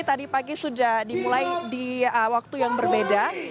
tadi pagi sudah dimulai di waktu yang berbeda